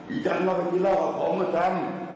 อีจันทน์ก็ไปกินเต้นเล่าของผมประจำ